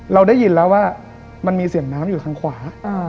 เราได้ยินแล้วว่ามันมีเสียงน้ำอยู่ทางขวา